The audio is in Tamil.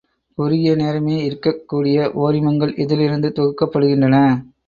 குறுகிய நேரமே இருக்கக் கூடிய ஒரிமங்கள் இதிலிருந்து தொகுக்கப்படுகின்றன.